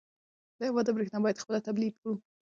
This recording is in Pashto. د هېواد برېښنا باید خپله تولید کړو.